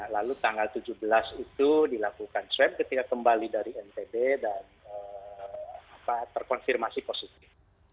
lalu tanggal tujuh belas itu dilakukan swab ketika kembali dari ntb dan terkonfirmasi positif